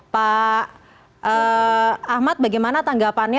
pak ahmad bagaimana tanggapannya